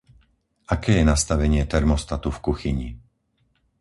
Aké je nastavenie termostatu v kuchyni?